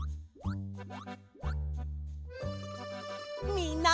みんな！